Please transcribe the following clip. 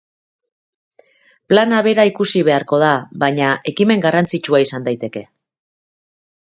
Plana bera ikusi beharko da, baina ekimen garrantzitsua izan daiteke.